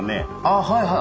あはいはい。